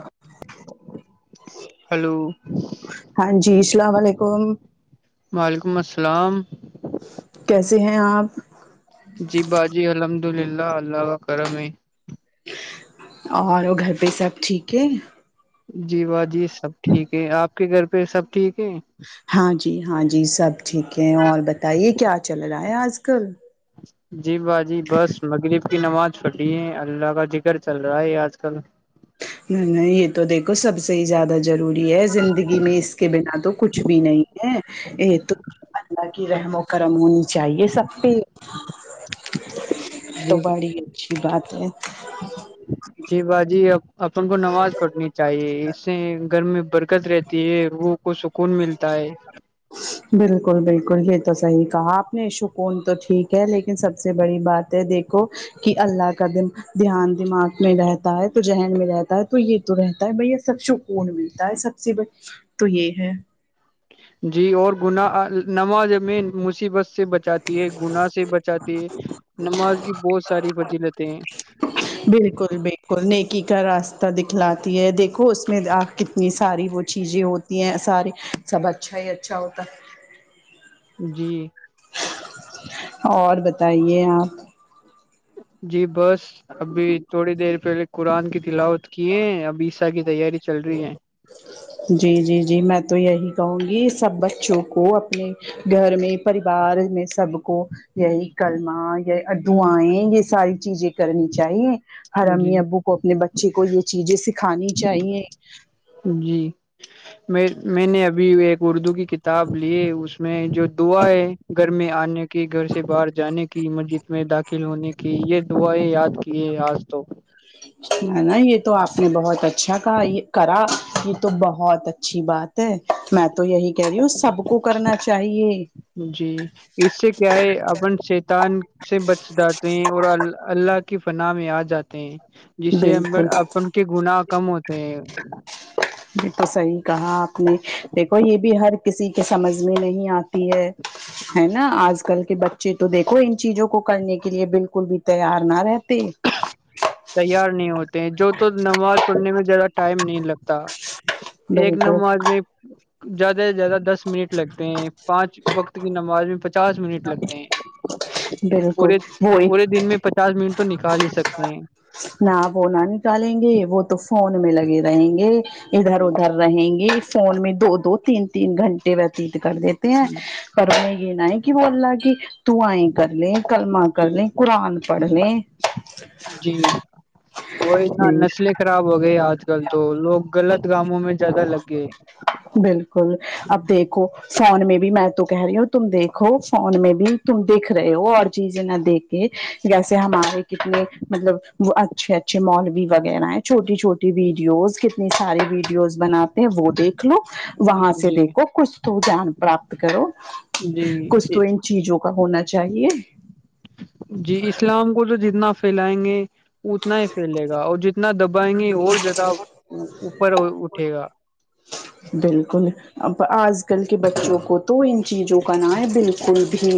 ہاں ہلو ہاں جی اللام علیکم وعلیکم السلام کیسے ہیں آپ جی باجی الحمد اللہ اللہ کا کرم ہے اور گھر پہ سب ٹھیک ہے جی با جی سب ٹھیک ہے آپ کے گھر پہ سب ٹھیک ہے ہاں جی ہاں جی سب ٹھیک ہے اور بتائیے کیا چل رہا ہے آج کل جی با جی بس مگری پ کی نماز پڑھی ہے اللہ کا ذکر چل رہا ہے آج کل نہیں یہ تو دیکھو سب سے ہی زیادہ ضروری ہے زندگی میں اس کے بنا تو کچھ بھی نہیں ہے یہ تو اللہ کی رحموں گرم ہونی چاہیے سب پ تو جی بڑی اچھی بات ہے جی باجی اپن کو نماز پڑھنی چاہیے ج سے گھر میں برکت رہتی ہے وہ کو سکون ملتا ہے بالکل بالکل یہ تو صحیح کہا آپ نے سکون تو ٹھیک ہے لیکن سب سے بڑی بات دیکھو کہ اللہ کا دن دھیان دماغ میں رہتا ہے تو ذہن میں رہتا ہے تو یہ تو رہتا ہے بھیا سب سکون ملتا ہے سب ی ب تو یہ ہے جی اور گن نماز میں مصیبت سے بچاتی ہے گنا سے بچاتی ہے نماز کی بہت ساری فضیلتیں ہیں بالکل بالکل نیکی کا راستہ دکھلاتی ہے دیکھو اس میں آ کتنی ساری وہ چیزیں ہوتی ہیں ساری سب اچھا ہی اچھا ہوتا جی اور بتائیے آپ جی بس ابھی تھوڑی دیر پہلے قرآن کی تلاوت کیے ابھی کی تیاری چل رہی ہے جی جی جی میں تو یہی کہوں گی سب بچوں کو اپنے گھر میں پریوار میں سب کو یہی کلمہ یا ادو آیں یہ ساری چیزیں کرنی چاہیے ہر جی امی ابو کو اپنے بچے کو یہ چیزیں سکھانی چاہیے جی میں میں نے ابھی ایک اردو کی کتاب لیے اس میں جو دعا ہے گھر میں آنے کی گھر سے باہر جانے کی مرجد میں داخل ہونے کی یہ دعاائیں یاد کی ہے آج تو ن ن یہ تو آپ نے بہت اچھا کہا یہ کرا تو بہت اچھی بات ہے میں تو یہی کہہ رہی ہوں سب کو کرنا چاہیے جی اس سے کیا ہے اپن شیتان سے بچ جاتے ہیں اور اللہ کی پنا میں آ جاتے ہیں جس سے بالکل اپن کے گنااہ کم ہوتے ہیں یہ تو صحیح کہا آپ نے دیکھو یہ بھی ہر کسی کے سمجھ میں نہیں آتی ہے ہے نا آج کل کے بچے تو دیکھو ان چیزوں کو کرنے کے لیے بالکل بھی تیار نہ رہتے تیار نہیں ہوتے ہیں جو تو نماز پڑھنے میں زیادہ ٹائم نہیں لگتا ایک بالکل نماز میں زیادہ سے زیادہ دس منٹ لگتے ہیں پانچ وقت کی نماز میں پچاس منٹ لگتے ہیں بالکل پورے وہ پورے دن میں پچاس منٹ تو نکال ہی سکتے ہیں نہ وہ نہ نکالیں گے وہ تو فون میں لگے رہیں گے ادھر جی ادھر رہیں گے فون میں دو دو تین تین گھنٹے وتیت کر دیتے ہیں پھر ان میں یہ نہ ہے کہ وہ اللہ کی دعیں کر لیں کلما کر جی لیں قرآن پڑھ لے جی وہی نا نسلیں خراب ہو گئی آج کل تو لوگ غلط کاموں میں جیادہ لگ گئے بالکل اب دیکھو فون میں بھی میں تو کہہ رہی ہوں تم دیکھو فون میں بھی تم دیکھ رہے ہو اور چیزیں نہ دیکھ جیسے ہمارے کتنے مطلب وہ اچھے اچھے مال بھی وغیرہ ہیں چھوٹی چھوٹی ویڈیوز کتنی ساری ویڈیوز بناتے ہیں وہ دیکھ لو وہاں سے جی دیکھو کس دان پراپت کرو جی کسو ان چیزوں کا ہونا چاہیے جی اسلام کو تو جتنا پھیلیں گے اتنا ہی پھیلے گا اور جت اتنا دبائیں گے اور زیادہ اوپر اٹھے گا بالکل اب آج کل کے بچوں کو تو ان چیزوں کا نام ہے بالکل بھی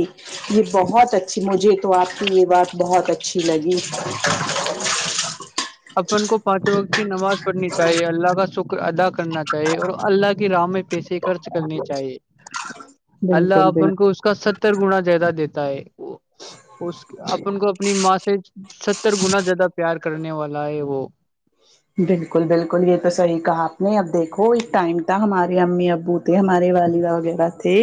یہ بہت اچھی مجھے تو آپ کی یہ بات بہت اچھی لگی اپن کو پانچوں وقت کی نماز پڑھنی چاہیے اللہ کا شکر ادا کرنا چاہیے اور اللہ کی راہ میں پیسے خرچ کرنے چاہیے اللہ بالکل بالکل آپن کو اس کا ستر گنا زیادہ دیتا ہے اس اپن کو اپنی ماں سے ستر گنا زیادہ پیار کرنے والا لائی وہ بالکل بالکل یہ تو صحیح کہا آپ نے اب دیکھو اس ٹائم تک ہمارے امی ابو ہمارے والدہ وغیرہ تھے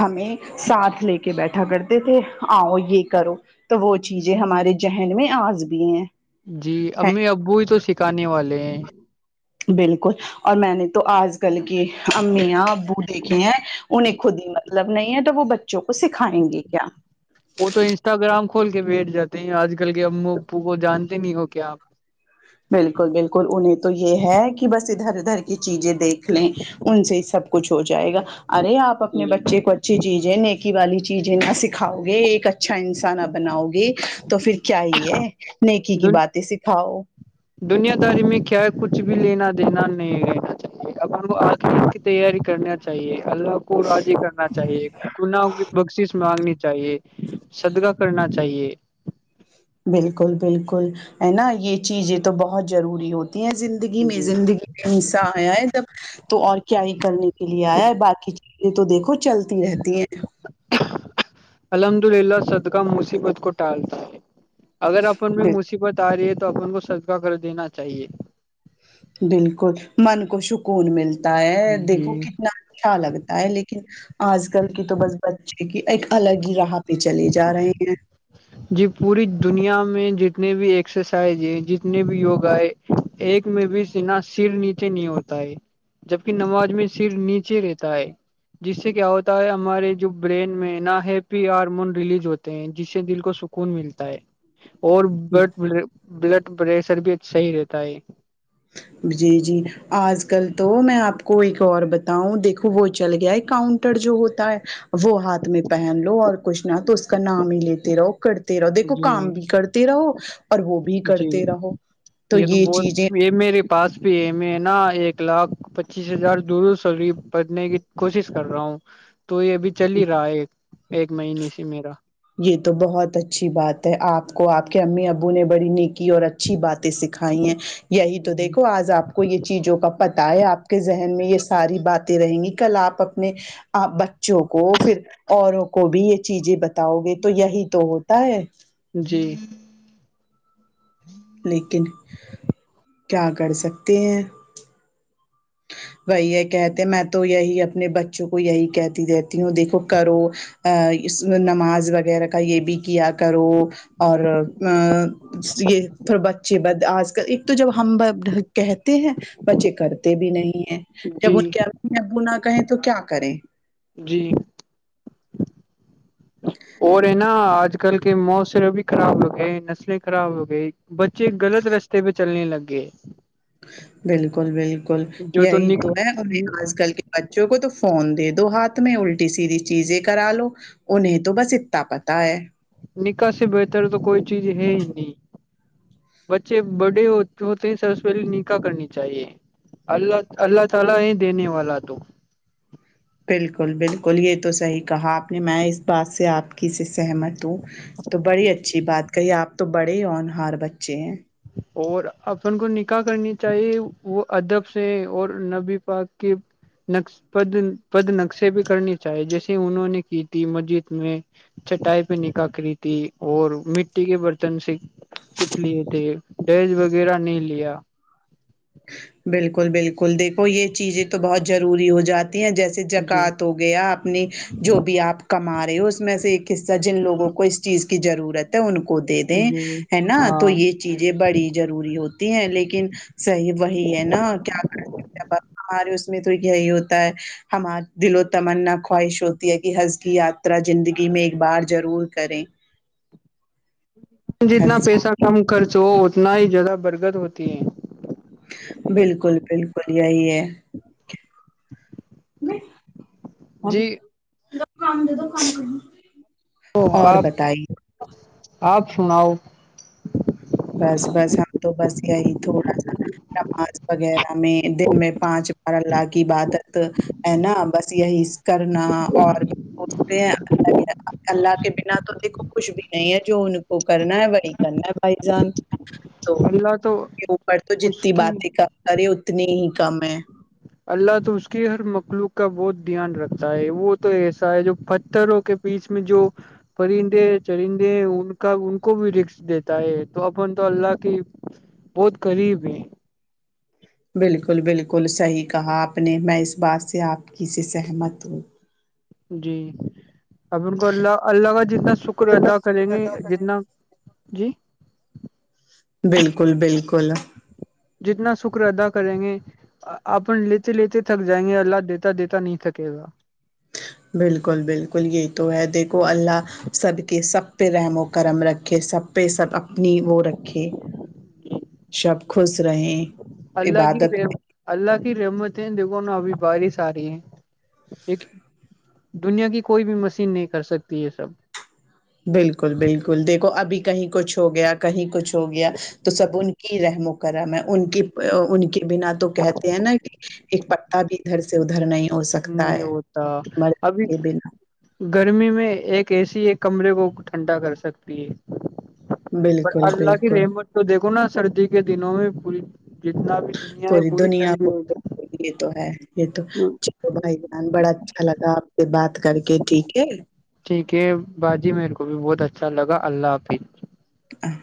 ہمیں ساتھ لے کے بیٹھا کرتے تھے آؤ یہ کرو تو وہ چیزیں ہمارے ذہن میں آج بھی ہیں جی امی ابو ہی تو سکھانے والے ہیں بالکل اور میں نے تو آج کل کی امیاں ابو دیکھے ہیں انہیں خود ہی مطلب نہیں ہے توب وہ بچوں کو سکھائیں گے کیا وہ تو انسٹاگرام کھول کے بیٹھ جاتے ہیں آج کل کے او او کو جانتے نہیں ہو کیا آپ بالکل بالکل انہیں تو یہ ہے کہ بس ادھر ادھر کی چیزیں دیکھ لیں ان سے سب کچھ ہو جائے گا ارے آپ اپنے بچے جی کوچا اچھی چیزیں نیکی والی چیزیں نا سکھاؤ گے ایک اچھا انسان آپ بناؤ گے تو پھر کیا ہی ہے نیکی کی باتیں سکھاؤ دنیا داری میں کیا ہے کچھ بھی لینا دینا نہیں رہینا اپ آ کی تیاری کرنے چاہیے اللہ کو راضی کرنا چاہیے گناہ کی بخشش مانگنی چاہیے صدقاہ کرنا چاہیے بالکل بالکل ہے نا یہ چیزیں تو بہت ضروری ہوتی ہیں زندی زندگی میں جی زندگی میں حصہ آیا ہے تب تو اور کیا ہی کرنے کے لیے آیا باقی چیزیں تو دیکھو چلتی رہتی ہیں الحمد للہ صدقہ مصیبت کو ٹالتی ہے اگر اپن میں بالکل میت بت آ رہی ہے تو اپن کو سدکا کر دینا چاہیے بالکل من کو سکون ملتا ہے دیکھو جی کتنا اچھا لگتا ہے لیکن آج کل کی تو بس بچے کی ایک الگ ہی رح بھی چلے جا رہے ہیں جی پوری دنیا میں جتنے بھی ایکسرسائز ہے جتنے بھی یوگا ہے ایک میں بھی سنا سر نیچے نہیں ہوتا ہے جبک نماز میں سر نیچے رہتا ہے جس سے کیا ہوتا ہے ہمارے جو برین میں نہ ہیپی ہارمون ریلیز ہوتے ہیں جس سے دل کو سکون ملتا ہے اور بٹ بلڈ پریشر بھی ا صحیح رہتا ہے وجے جی آج کل تو میں آپ کو ایک اور بتاؤں دیکھو وہ چل گیا ہے کاؤنٹر جو ہوتا ہے وہ ہاتھ میں پہن لو اور کچھ نہ تو اس کا نام ہی لیتے رہو کرتے رہو دیکھو کام جی بھی کر رہو اور وہ بھی جی کرتے رہو تو یہ چیزیں یہ میرے [unintelligible] پاس پی ای میں نا ایک لاکھ پچیس ہزار دور شری پڑھنے کی کوشش کر رہا ہوں تو یہ ابھی چل ہی رہا ہے ایک ایک مہینے سے میرا یہ تو بہت اچھی بات ہے آپ کو آپ کے امی ابو نے بڑی نیکی اور ا اچھی باتیں سکھائی ہیں یہی تو دیکھو آج آپ کو کو یہ چیزوں کا پتہ ہے آپ کے ذہن میں یہ ساری باتیں رہیں گی کل آپ اپنے آ بچوں کو پھر اوروں کو بھی یہ چیزیں بتاؤ گے تو یہی تو ہوتا ہے جی لیکن کیا کر سکتے ہیں وہی یہ کہتے میں تو یہی اپنے بچوں کو یہی کہتی رہتی ہوں دیکھو کرو ا اس نماز وغیرہ کا یہ بھی کیا کرو اور ا یہ تھ بچے بد آج کل ایک تو جب ہم کہتے ہیں بچے کرتے بھی نہیں ہیں جب جی ان کے ابمی ابو نہ کہیں تو کیا کریں جی اور ہے نا آج آ کل کے موسر ابھی خراب ہو گئے نسلیں خراب ہو گئی بچے غلط رستے پہ چلنے لگ گے بالکل بالکل یہی تو ہے ہمیں آج کل کے بچوں کو تو فون دے دو ہاتھ میں الٹی سیدھی چیزیں کرا لو انہیں تو بس اتنا پتا ہے [unintelligible] نکاح سے بہتر تو کوئی چیز ہے ہی نہیں بچے بڑے ہو ہوتے ہیں سرس پہلی نکاح کرنی چاہیے اللہ اللہ تعالی ہی دینے والا تو بالکل بالکل یہ تو صحیح کہا آپ نے میں اس بات سے آپ کی سے سہمت ہوں تو بڑی جی اچھی بات کہی آپ تو بڑے ہی اورنہار بچے ہیں اور اپن کو نکاح کرنی چاہیے وہ ادب سے اور نبی پاک کے نس پد پد نقشے بھی کرنی چاہیے جیسے انہوں نے کی تھی مسجد میں چٹائی پہ نک کری تھی اور مٹی کے برتن سے کچھ لیے تھے ڈیج وغیرہ نہیں لیا بالکل بالکل دیکھو یہ چیزیں تو بہت ضروری ہو جاتی ہیں جیسے سے جی جکاات ہو گیا اپنی جو بھی آپ کو کما رہے ہو اس میں سے ایک حصہ جن لوگوں کو اس چیز کی ضرورت ان کو دے دیں جی ہے نا تو ہاں یہ چیزیں بڑی ضروری ہوتی ہیں لیکن صحیح وہی ہے نا کیا کرتے ہمارے اس میں تو یہی ہوتا ہے ہمار دل و تمنا خواہش ہوتی ہے کہ ہنز کی یاترا زندگی میں ایک بار ضرور کریں جتنا حج پیسہ کم خرچ ہو اتنا ہی زیادہ برکد ہوتی ہے بالکل بالکل یہی ہے جی دکان د دان آپ آپ سناؤ بس بس ہم تو بس یہی تھوڑا سا نماز وغیرہ میں دن میں پانچ بار اللہ عبادت ہے نا بس یہی کرنا اور اس اللہ اللہ کے بنا تو دیکھ کچھ بھی نہیں ہے جو ان کو کرنا ہے وہی کرنا ہے بھائی جان تو اللہ تو اوپر تو اس جتنی کی باتیں کم کرے اتنی ہی کم ہے اللہ تو اس کی ہر مخلوق کا بہت دھیان رکھتا ہے وہ تو ایسا ہے جو پتھروں کے بیچ میں جو پرندے چرندے ان کا ان کو بھی رش دیتا ہے تو اپن تو اللہ کی بہت غریب ہے بالکل بالکل صحیح کہا آپ نے میں اس بات سے آپ کی سے سہمت ہوں جی اب ان کو اللہ اللہ کا جتنا شکر اللہ ادا کریں کی گے عطا کرے جتنا جی بالکل بالکل جتنا شکر ادا کریں گے اپن لیتے لیتے تھک جائیں گے اللہ دیتا دیتا نہیں تھکے گا بالکل بالکل یہی تو ہے دیکھو اللہ سب کے سب پہ رحم و کرم رکھے سب پہ سب اپنی وہ رکھے سب خوش رہیں اللہگ عبادت رہ اللہ کی رحمت ہے دیکھو نا ابھی بارش آ رہی ہے ایک دنیا کی کوئی بھی مشین نہیں کر سکتی یہ سب بالکل بالکل دیکھو ابھی کہیں کچھ ہو گیا کہیں کچھ ہو گیا تو سب ان کی رحم و کرم ان کی ان کے بنا تو کہتے ہیں نا کہ ایک پتا بھی ادھر سے سے ادھر نہیں ہو سکتا نہیں ہے ہوتا مرض ابھی کے بنا گرمی میں ایک اے سی ایک کمرے کو ٹھنڈا کر سکتی ہے پر بالکل اللہ کی بالکل رحم تو دیکھو نا سردی کے دنوں میں پوری جتنا بھی د پوری دنیا کو یہ تو ہے یہ تو جاتی۔ تو بھائی جان بڑا اچھا لگا آپ سے بات کر کے ٹھیک ہے ٹھیک ہے باجی میرے کو بھی بہت اچھا لگا اللہ حافظ ا [unintelligible]